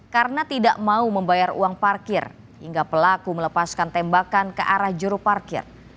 karena tidak mau membayar uang parkir hingga pelaku melepaskan tembakan ke arah juru parkir